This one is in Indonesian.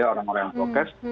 orang orang yang prokes